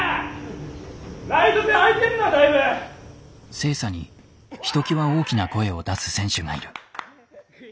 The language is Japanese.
星槎にひときわ大きな声を出す選手がいる。